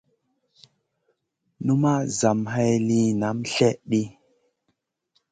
Numaʼ zam hay liyn naam slèh ɗi.